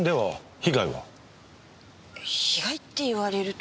被害って言われると。